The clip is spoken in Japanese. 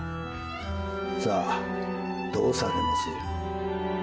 さあどうされます？